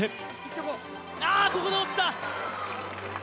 ここで落ちた。